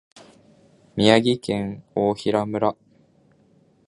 宮城県大衡村